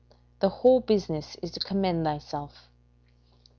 The whole business is to commend thyself."